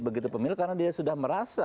begitu pemilu karena dia sudah memiliki ya